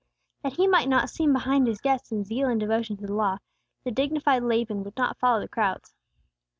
That he might not seem behind his guests in zeal and devotion to the Law, the dignified Laban would not follow the crowds.